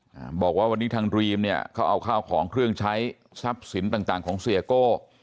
อ่าบอกว่าวันนี้ทางดรีมเนี่ยเขาเอาข้าวของเครื่องใช้ทรัพย์สินต่างต่างของเสียโก้